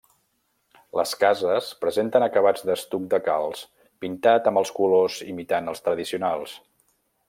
Les cases presenten acabats d'estuc de calç pintat amb els colors imitant els tradicionals.